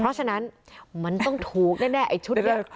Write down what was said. เพราะฉะนั้นมันต้องถูกแน่ไอ้ชุดเดียว